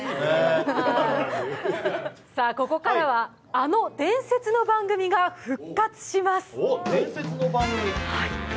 ここからはあの伝説の番組が復活します。